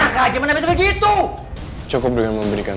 sama lagi pecah teman di kamu